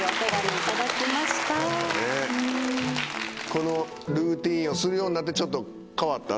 このルーティーンをするようになってちょっと変わった？